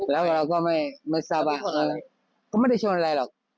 แล้วเราก็ไม่สามารถก็ไม่ได้ชนอะไรหรอก